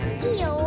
いいよ。